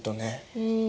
うん。